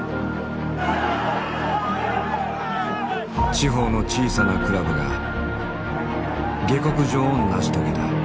地方の小さなクラブが下克上を成し遂げた。